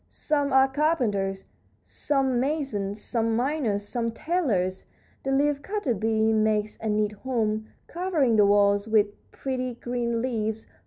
Some are carpenters, some masons, some miners, some tailors. The leaf cutter bee makes a neat home, covering the walls with pretty, green leaves.